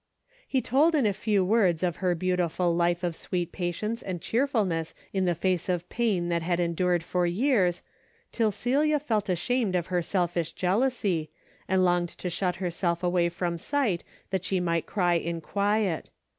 He told in a few words of her beautiful life of sweet patience and cheerfulness in the face of pain that had endured for years, till Celia 330 A DAILY BATE. felt ashamed of her selfish jealousy, and longed to shut herself away from sight that she might cry in quiet.